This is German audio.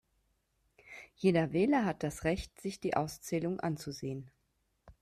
Jeder Wähler hat das Recht, sich die Auszählung anzusehen.